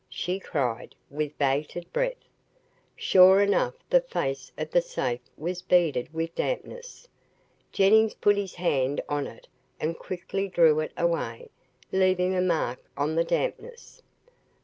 she cried with bated breath. Sure enough the face of the safe was beaded with dampness. Jennings put his hand on it and quickly drew it away, leaving a mark on the dampness.